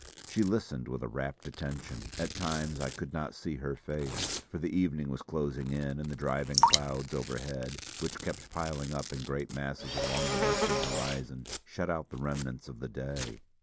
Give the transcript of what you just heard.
She listened with a rapt attention. At times I could not see her face, for the evening was closing in and the driving clouds overhead, which kept piling up in great masses along the western horizon, shut out the remnants of the day.